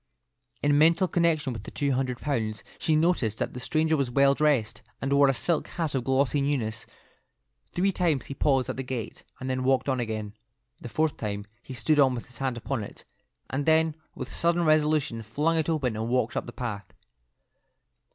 In mental connection with the two hundred pounds, she noticed that the stranger was well dressed, and wore a silk hat of glossy newness. Three times he paused at the gate, and then walked on again. The fourth time he stood with his hand upon it, and then with sudden resolution flung it open and walked up the path.